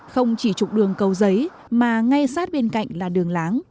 không chỉ trục đường cầu giấy mà ngay sát bên cạnh là đường láng